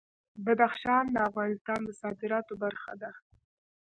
بدخشان د افغانستان د صادراتو برخه ده.